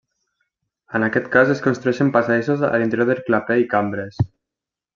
En aquest cas es construeixen passadissos a l'interior del claper i cambres.